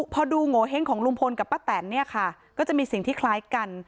พอดูโงเห้งของลุงพลกับป้าแตนเนี่ยค่ะก็จะมีสิ่งที่คล้ายกัน